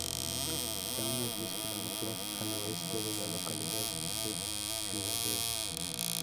Está a unos diez kilómetros al oeste de la localidad de Ribadeo.